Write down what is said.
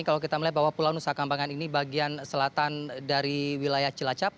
kalau kita melihat bahwa pulau nusa kambangan ini bagian selatan dari wilayah cilacap